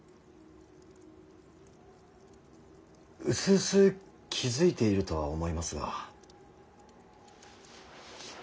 うすうす気付いているとは思いますが。